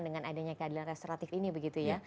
dengan adanya keadilan restoratif ini begitu ya